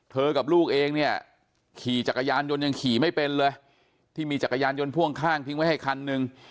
กับลูกเองเนี่ยขี่จักรยานยนต์ยังขี่ไม่เป็นเลยที่มีจักรยานยนต์พ่วงข้างทิ้งไว้ให้คันหนึ่ง